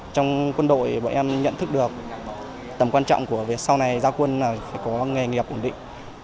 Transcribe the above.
trong quân đội bọn em nhận thức được tầm quan trọng của việc sau này gia quân là phải có nghề nghiệp ổn định